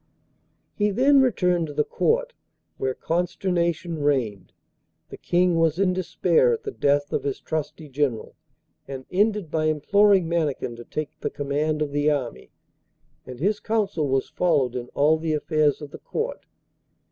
He then returned to the Court, where consternation reigned. The King was in despair at the death of his trusty general, and ended by imploring Mannikin to take the command of the army, and his counsel was followed in all the affairs of the Court.